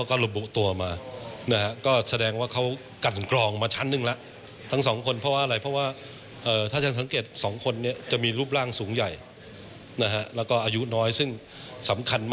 เพราะว่าอยากจะเล่นในลีกยุโรปให้ได้